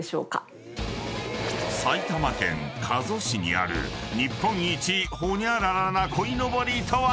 ［埼玉県加須市にある日本一ホニャララな鯉のぼりとは？］